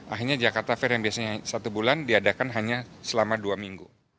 akhirnya jakarta fair yang biasanya satu bulan diadakan hanya selama dua minggu